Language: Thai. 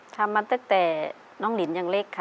ทำมาตั้งแต่น้องลินยังเล็กค่ะ